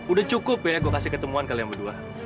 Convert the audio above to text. udah cukup ya gue kasih ketemuan kalian berdua